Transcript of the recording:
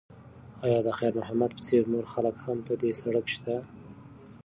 ایا د خیر محمد په څېر نور خلک هم په دې سړک شته؟